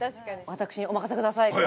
私にお任せください。